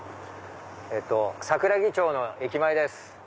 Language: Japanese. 桜木町の駅前です。